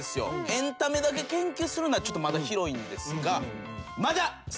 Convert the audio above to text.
エンタメだけ研究するのはちょっとまだ広いんですがまだ狭まります。